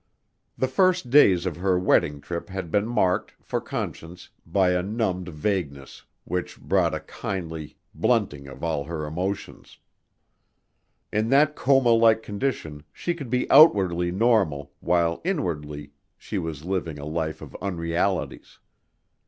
The first days of her wedding trip had been marked, for Conscience, by a numbed vagueness, which brought a kindly blunting of all her emotions. In that coma like condition she could be outwardly normal while inwardly she was living a life of unrealities.